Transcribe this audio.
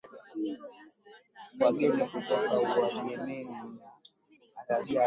nakupa hongera kwa sababu kusimama na kusukumana namna hii inahitaji ni kazi inataka juhudi